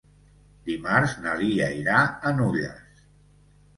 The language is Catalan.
Dimarts na Lia irà a Nulles.